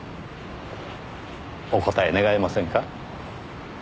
お答え願えませんか？